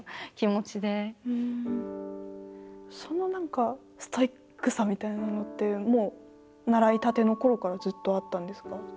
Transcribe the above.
その何かストイックさみたいなのってもう習いたてのころからずっとあったんですか？